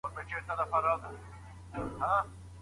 دېګ بې سرپوښه نه وي.